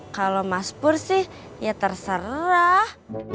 kalau mas pur sih ya terserah